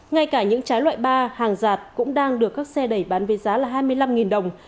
ngay cả những trái loại ba hàng giạt cũng đang được các xe đẩy bán với giá là hai mươi năm đồng